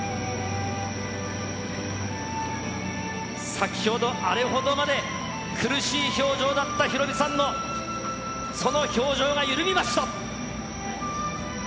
先ほど、あれほどまで苦しい表情だったヒロミさんのその表情が緩みました。